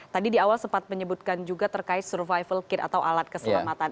tadi di awal sempat menyebutkan juga terkait survival kir atau alat keselamatan